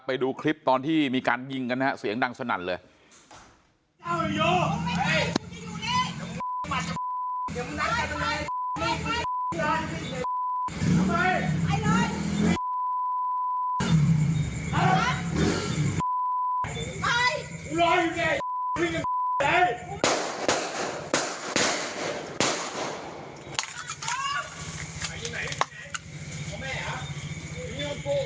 ไปดูคลิปตอนที่มีการยิงกันนะฮะเสียงดังสนั่นเลย